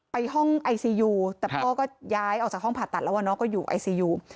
ห้องไอซียูแต่พ่อก็ย้ายออกจากห้องผ่าตัดแล้วว่าน้องก็อยู่ไอซียู